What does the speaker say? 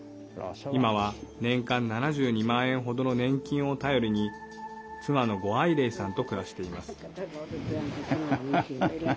今は、年間７２万円程の年金を頼りに妻の呉愛玲さんと暮らしています。